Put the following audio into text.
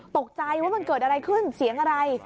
ตกใจว่ามันเกิดอะไรขึ้นเสียงอะไร